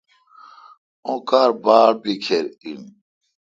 اوں کار باڑ بکھر این۔